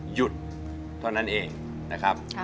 หยุดเท่านั้นเองนะครับ